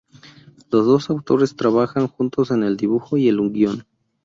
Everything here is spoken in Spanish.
Los dos autores trabajan juntos en el dibujo y el guion.